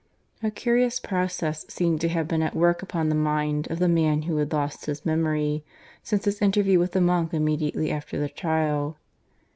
A curious process seemed to have been at work upon the mind of the man who had lost his memory, since his interview with the monk immediately after the trial.